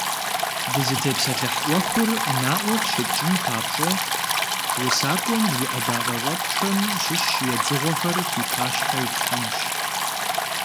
Дызытепсэлъыхь Ӏуэхур наӀуэ фщытщӀын папщӀэ усакӀуэм и ӀэдакъэщӀэкӀхэм щыщ едзыгъуэхэр фи пащхьэ итлъхьэнщ.